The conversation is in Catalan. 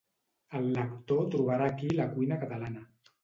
El lector trobarà aquí la cuina catalana